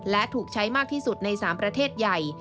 และถูกใช้มากที่สุดใน๓ประเทศใหญ่